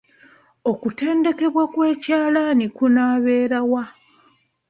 Okutendekebwa kw'ekyalani kunaabeerawa?